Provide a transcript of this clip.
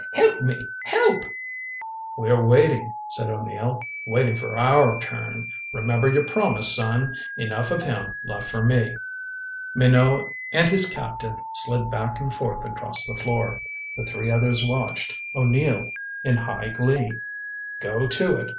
Help me help " "We're waiting," said O'Neill. "Waiting for our turn. Remember your promise, son. Enough of him left for me." Minot and his captive slid back and forth across the floor. The three others watched, O'Neill in high glee. "Go to it!"